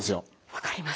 分かります。